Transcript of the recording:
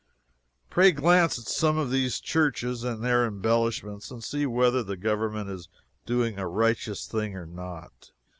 Pray glance at some of these churches and their embellishments, and see whether the Government is doing a righteous thing or not.